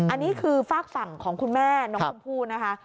อันนี้คือฝากฝั่งของคุณแม่น้องชมพู่นะคะ